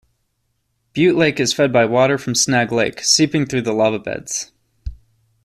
Butte Lake is fed by water from Snag Lake seeping through the lava beds.